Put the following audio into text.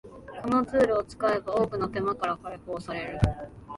このツールを使えば多くの手間から解放される